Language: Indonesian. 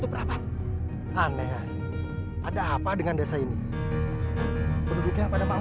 kandang ayam yang ada di rumah kita